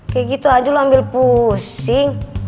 kayak gitu aja lah ambil pusing